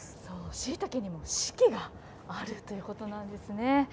しいたけにも四季があるということなんですね。